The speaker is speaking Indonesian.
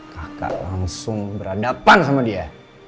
kakak langsung berhadapan sama dia